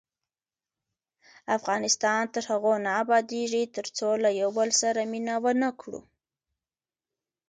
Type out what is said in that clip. افغانستان تر هغو نه ابادیږي، ترڅو له یو بل سره مینه ونه کړو.